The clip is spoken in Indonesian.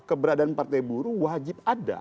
keberadaan partai buruh wajib ada